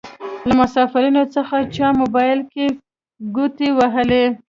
له مسافرينو څخه چا موبايل کې ګوتې وهلې.